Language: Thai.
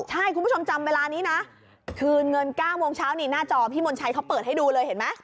ใช่คุณผู้ชมจำเวลานี้นะคืนเงิน๙โมงเช้านี่หน้าจอพี่มนชัยเขาเปิดให้ดูเลยเห็นไหม